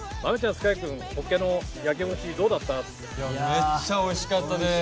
めっちゃおいしかったです。